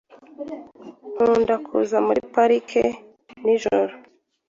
Nkunda kuza muri parike nijoro .